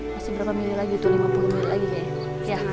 masih berapa mili lagi tuh